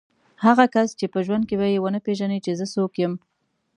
هغه څوک چې په ژوند کې به یې ونه پېژني چې زه څوک یم.